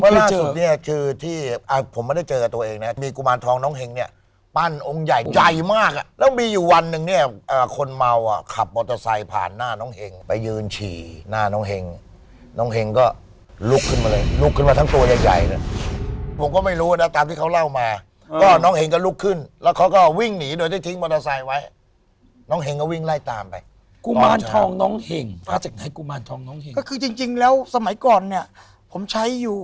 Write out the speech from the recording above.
คุณเคยเจอเนี้ยชื่อที่อ่าผมไม่ได้เจอตัวเองนะมีกุมารทองน้องเฮงเนี้ยปั้นองค์ใหญ่ใหญ่มากอ่ะแล้วมีอยู่วันหนึ่งเนี้ยอ่าคนเมาอ่ะขับมอเตอร์ไซค์ผ่านหน้าน้องเฮงไปยืนฉี่หน้าน้องเฮงน้องเฮงก็ลุกขึ้นมาเลยลุกขึ้นมาทั้งตัวใหญ่ใหญ่เลยผมก็ไม่รู้นะตามที่เขาเล่ามาก็น้องเฮงก็ลุกขึ้นแล้วเขาก็วิ่งหนี